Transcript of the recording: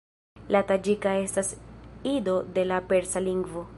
La taĝika estas ido de la persa lingvo.